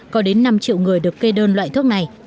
có đến năm triệu người được kê đơn loại thuốc này